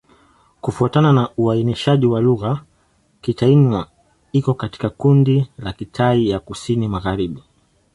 Kufuatana na uainishaji wa lugha, Kitai-Nüa iko katika kundi la Kitai ya Kusini-Magharibi.